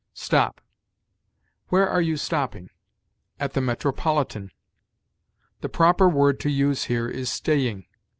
STOP. "Where are you stopping?" "At the Metropolitan." The proper word to use here is staying.